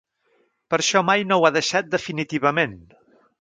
Per això mai no ho ha deixat definitivament.